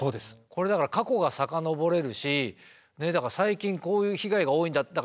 これだから過去が遡れるしだから最近こういう被害が多いんだって。